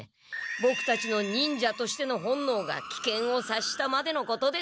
ボクたちの忍者としての本のうがきけんをさっしたまでのことです。